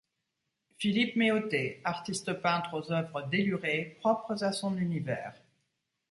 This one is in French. Philippe Méhauté - Artiste peintre aux œuvres délurées, propres à son univers.